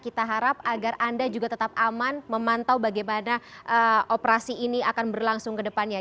kita harap agar anda juga tetap aman memantau bagaimana operasi ini akan berlangsung kedepannya